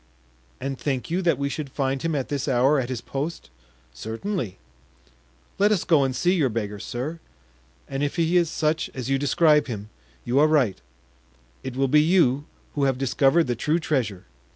"And think you that we should find him at this hour at his post?" "Certainly." "Let us go and see your beggar, sir, and if he is such as you describe him, you are right—it will be you who have discovered the true treasure."